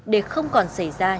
để không còn xảy ra